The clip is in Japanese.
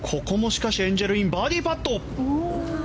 エンジェル・インバーディーパット。